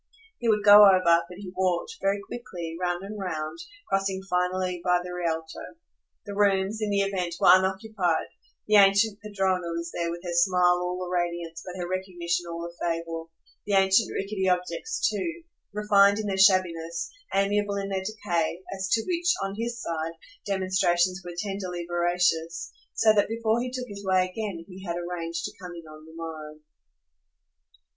He would go over, but he walked, very quickly, round and round, crossing finally by the Rialto. The rooms, in the event, were unoccupied; the ancient padrona was there with her smile all a radiance but her recognition all a fable; the ancient rickety objects too, refined in their shabbiness, amiable in their decay, as to which, on his side, demonstrations were tenderly veracious; so that before he took his way again he had arranged to come in on the morrow.